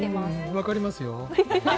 分かりますよ。